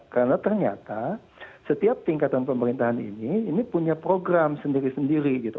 karena ternyata setiap tingkatan pemerintahan ini ini punya program sendiri sendiri gitu